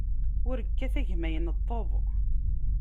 Ur kkat a gma ineṭṭeḍ!